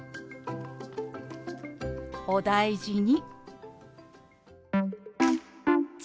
「お大事に」。